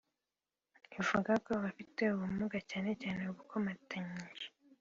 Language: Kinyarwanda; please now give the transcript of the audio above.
Ivuga ko abafite ubumuga cyane cyane ubukomatanije